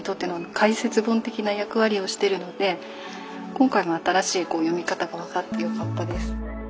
今回も新しい読み方が分かってよかったです。